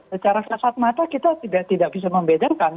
secara kasat mata kita tidak bisa membedakan